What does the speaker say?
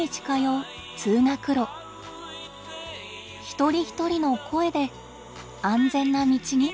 一人一人の声で安全な道に。